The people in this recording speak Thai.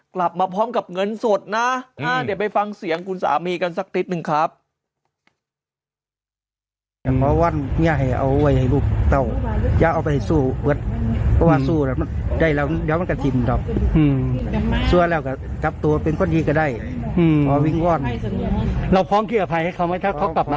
กลับมาพร้อมกับเงินสดนะเดี๋ยวไปฟังเสียงคุณสามีกันสักนิดนึงครับ